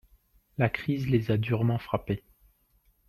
La crise les a durement frappé.